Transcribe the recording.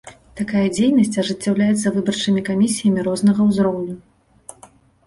Такая дзейнасць ажыццяўляецца выбарчымі камісіямі рознага ўзроўню.